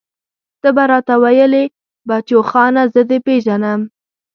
ته به راته ويلې بچوخانه زه دې پېژنم.